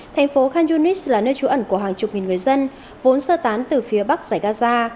thành phố khan yunis là nơi trú ẩn của hàng chục nghìn người dân vốn sơ tán từ phía bắc giải gaza